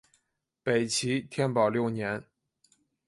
北齐天保六年。